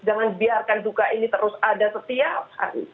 jangan biarkan duka ini terus ada setiap hari